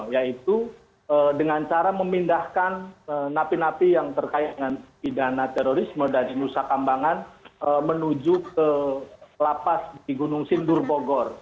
yaitu dengan cara memindahkan napi napi yang terkait dengan pidana terorisme dari nusa kambangan menuju ke lapas di gunung sindur bogor